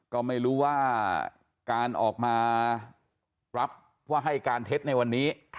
ก็ไม่รู้ว่าการออกมารับว่าให้การเท็จในวันนี้